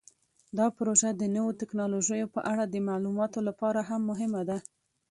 دا پروژه د نوو تکنالوژیو په اړه د معلوماتو لپاره هم مهمه ده.